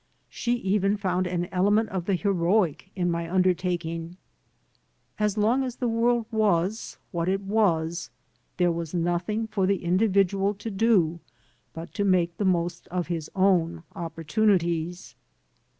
She even found an element of the heroic in my undertaking. As long as the world was what it was there was nothing for the individual to do but to make the most of his own opportunities.